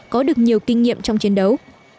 có được nhiều kinh nghiệm trong chiến đấu